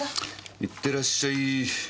いってらっしゃい。